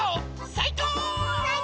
さいこう！